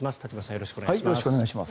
よろしくお願いします。